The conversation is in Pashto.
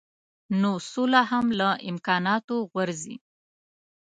نو سوله هم له امکاناتو غورځي.